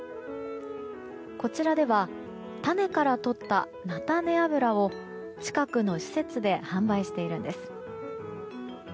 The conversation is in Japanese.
こちらでは種からとった菜種油を近くの施設で販売しているんです。